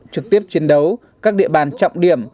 trực tiếp chiến đấu các địa bàn trọng điểm